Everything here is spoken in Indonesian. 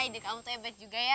hei ide kamu tuh hebat juga ya